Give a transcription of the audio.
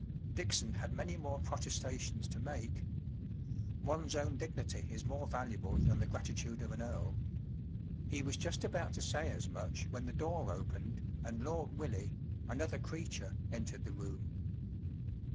” Dickson had many more protestations to make. One’s own dignity is more valuable than the gratitude of an earl. He was just about to say as much when the door opened and Lord Willie, another creature, entered the room.